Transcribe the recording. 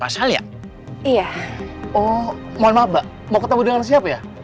sampai jumpa di video selanjutnya